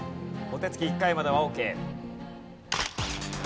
お手つき１回まではオーケー。